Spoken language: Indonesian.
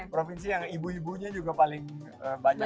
provinsi yang ibu ibunya juga paling banyak